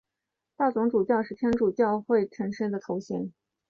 大总主教是天主教会圣统制的一种头衔。